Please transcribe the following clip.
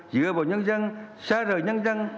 dựa vào nhân dân xa rời nhân dân